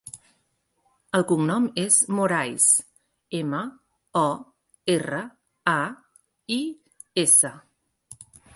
El cognom és Morais: ema, o, erra, a, i, essa.